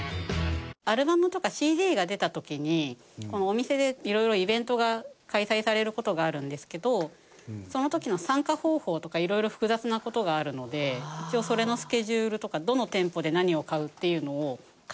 アルバムとかＣＤが出た時にお店で色々イベントが開催される事があるんですけどその時の参加方法とか色々複雑な事があるので一応それのスケジュールとかどの店舗で何を買うっていうのを管理するような。